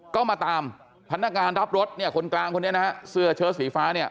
ก็มาตามพนักงานรับรถเนี่ยคนกลางคนนี้นะฮะเสื้อเชิดสีฟ้าเนี่ย